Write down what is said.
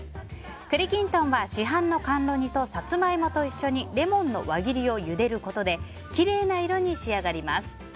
栗きんとんは、市販の甘露煮とサツマイモと一緒にレモンの輪切りをゆでることできれいな色に仕上がります。